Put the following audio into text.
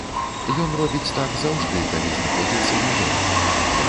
Ён робіць так заўжды, калі знаходзіцца не дома.